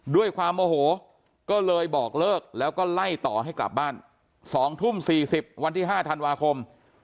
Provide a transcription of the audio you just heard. ด้วยความโมโหก็เลยบอกเลิกแล้วก็ไล่ต่อให้กลับบ้าน๒ทุ่ม๔๐วันที่๕ธันวาคม